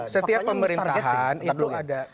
setiap pemerintahan itu ada